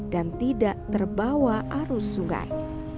dan tidak terbawa arus sungai